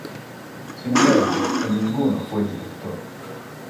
Sin embargo, en ninguno fue director.